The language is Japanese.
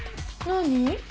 何？